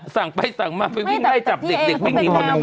สั่งไปสั่งมาไปวิ่งได้จับเด็กไม่งี้มัน